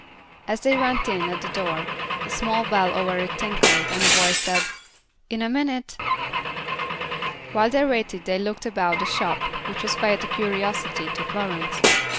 As they went in at the door, a small bell over it tinkled and a voice said, "In a minute." While they waited they looked about the shop, which was quite a curiosity to Florence.